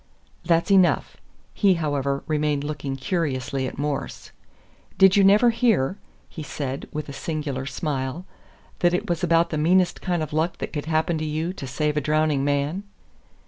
"That's enough." He, however, remained looking curiously at Morse. "Did you never hear," he said, with a singular smile, "that it was about the meanest kind of luck that could happen to you to save a drowning man?"